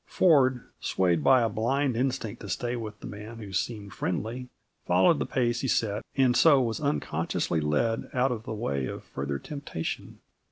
Ford, swayed by a blind instinct to stay with the man who seemed friendly, followed the pace he set and so was unconsciously led out of the way of further temptation.